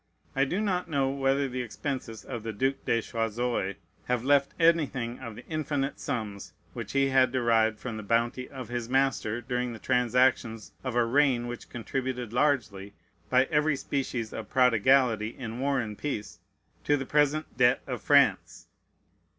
I do not know whether the expenses of the Duke de Choiseul have left anything of the infinite sums which he had derived from the bounty of his master, during the transactions of a reign which contributed largely, by every species of prodigality in war and peace, to the present debt of France.